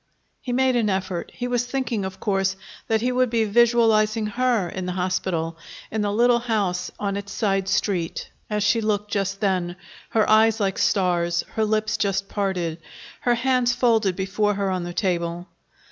He made an effort. He was thinking, of course, that he would be visualizing her, in the hospital, in the little house on its side street, as she looked just then, her eyes like stars, her lips just parted, her hands folded before her on the table.